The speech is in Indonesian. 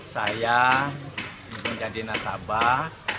saya menjadi nasabah